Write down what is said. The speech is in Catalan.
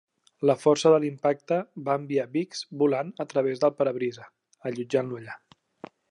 La força de l'impacte va enviar Biggs volant a través del parabrisa, allotjant-lo allà.